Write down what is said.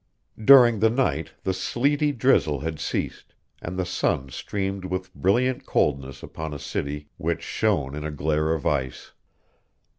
During the night the sleety drizzle had ceased, and the sun streamed with brilliant coldness upon a city which shone in a glare of ice.